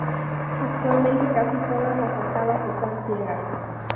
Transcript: Actualmente casi todas las arcadas están ciegas.